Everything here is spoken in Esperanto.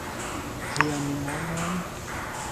Vian monon?